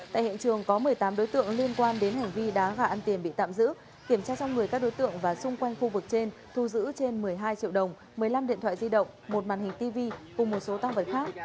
tại hiện trường có một mươi tám đối tượng liên quan đến hành vi đá gà ăn tiền bị tạm giữ kiểm tra xong người các đối tượng và xung quanh khu vực trên thu giữ trên một mươi hai triệu đồng một mươi năm điện thoại di động một màn hình tv cùng một số tăng vật khác